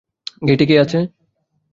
গেইটে কে আছে?